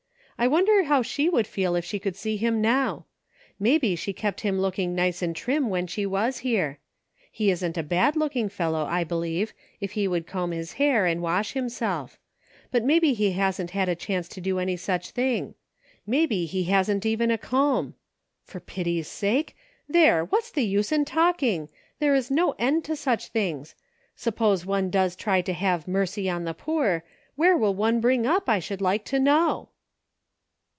I wonder how she would feel if she could see him now ? Maybe she kept him looking nice and trim when she was here. He isn't a bad looking fellow, I believe, if he would comb his hair and wash him self ; but maybe he hasn't had a chance to do any such thing. Maybe he hasn't even a comb. For pity's sake.' There! what's the use in talking.' There is no end to such things. Suppose one does UNSEEN CONNECTIONS. 7/ try to have 'mercy on the poor,' where will one bring up, I should like to know